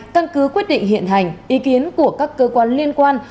căn cứ quyết định hiện hành ý kiến của các cơ quan liên quan